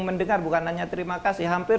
mendengar bukan hanya terima kasih hampir